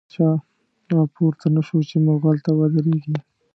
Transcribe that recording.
يو” شير شاه “راپورته نه شو، چی ” مغل” ته ودريږی